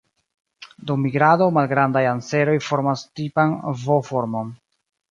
Dum migrado, Malgrandaj anseroj formas tipan V-formon.